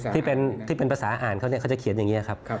ที่เป็นภาษาอ่านเขาเนี่ยเขาจะเขียนอย่างนี้ครับ